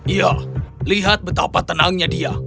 iya lihat betapa tenangnya dia